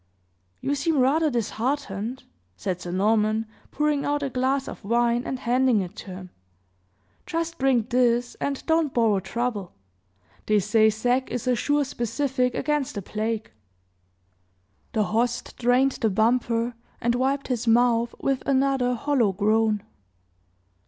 "You seem rather disheartened," said Sir Norman, pouring out a glass of wine and handing it to him. "Just drink this, and don't borrow trouble. They say sack is a sure specific against the plague." Mine host drained the bumper, and wiped his mouth, with another hollow groan.